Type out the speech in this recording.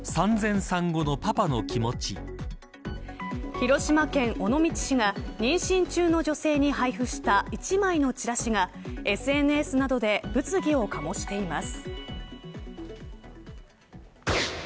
広島県尾道市が妊娠中の女性に配布した１枚のチラシがＳＮＳなどで物議を醸しています。